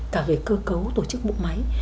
cả về cơ cấu tổ chức bộ máy